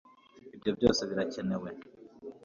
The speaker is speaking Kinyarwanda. ibyo byose birakenewe